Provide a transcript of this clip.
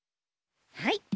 はい。